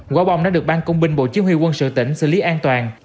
quả bom đã được ban công binh bộ chí huy quân sự tỉnh xử lý an toàn